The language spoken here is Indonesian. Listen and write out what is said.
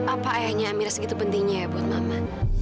apa ayahnya amira segitu pentingnya buat mama